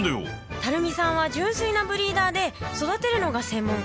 垂水さんは純粋なブリーダーで育てるのが専門。